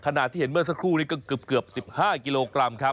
ที่เห็นเมื่อสักครู่นี้ก็เกือบ๑๕กิโลกรัมครับ